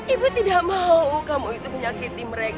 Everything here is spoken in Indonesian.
ibu tidak mau kamu itu menyakiti mereka